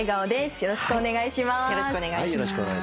よろしくお願いします。